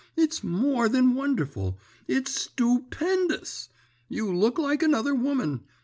It's more than wonderful, its stoopendous. You look like another woman.